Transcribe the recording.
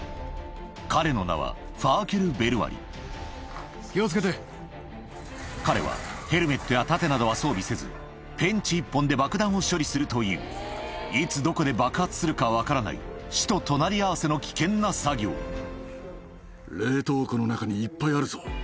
彼の名は彼はヘルメットや盾などは装備せずペンチ１本で爆弾を処理するといういつどこで爆発するか分からない死と隣り合わせの危険な作業え！